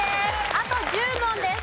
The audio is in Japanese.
あと１０問です。